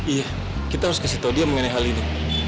iya kita harus kasih tahu dia mengenai hal ini